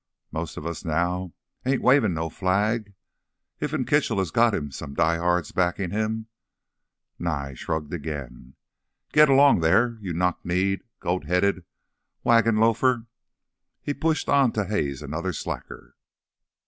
But mosta us now ain't wavin' no flag. Iffen Kitchell has got him some diehards backin' him—" Nye shrugged again. "Git 'long there, you knock kneed, goat headed wagon loafer!" He pushed on to haze another slacker.